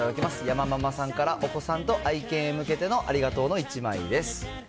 やまママさんから、お子さんと愛犬へ向けてのありがとうの１枚です。